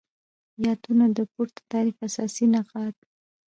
یادونه : د پورته تعریف اساسی نقاط